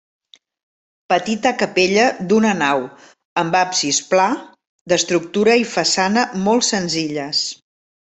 Petita capella d'una nau, amb absis pla, d'estructura i façana molt senzilles.